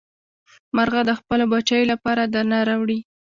مارغه د خپلو بچیو لپاره دانه راوړي.